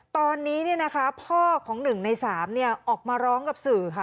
ตอนนี้เนี่ยนะคะพ่อของ๑ใน๓เนี่ยออกมาร้องกับสื่อค่ะ